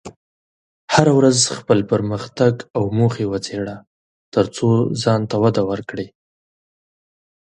هره ورځ خپل پرمختګ او موخې وڅېړه، ترڅو ځان ته وده ورکړې.